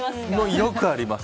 よくあります。